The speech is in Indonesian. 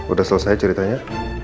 udah selesai ceritanya